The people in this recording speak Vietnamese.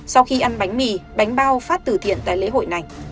sau khi ăn bánh mì bánh bao phát từ thiện tại lễ hội này